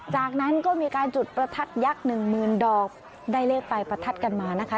จากนั้นก็มีการจุดประทัดยักษ์หนึ่งหมื่นดอกได้เลขปลายประทัดกันมานะคะ